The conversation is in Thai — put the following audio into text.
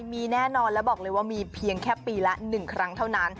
มีแน่นอนแล้วบอกเลยว่ามีเพียงแค่ปีละ๑ครั้งเท่านั้น